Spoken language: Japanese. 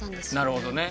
なるほどね。